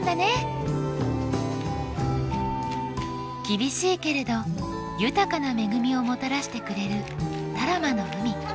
厳しいけれど豊かな恵みをもたらしてくれる多良間の海。